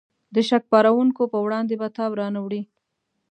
د شک پارونکو په وړاندې به تاب را نه وړي.